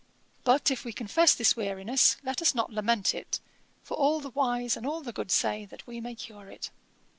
But, if we confess this weariness, let us not lament it, for all the wise and all the good say, that we may cure it.